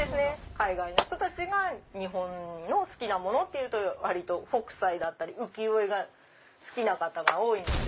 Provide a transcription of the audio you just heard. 海外の人たちが日本の好きなものっていうと割と北斎だったり浮世絵が好きな方が多いので。